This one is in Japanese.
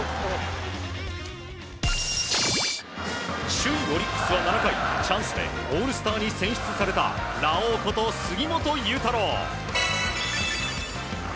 首位オリックスは７回チャンスでオールスターに選出されたラオウこと杉本裕太郎。